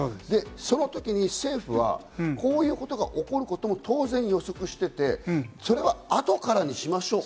その時に政府はこういうことが起こることも当然予測していて、それは後からにしましょう。